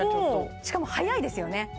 しかも速いですよね